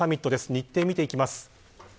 日程、見ていきます。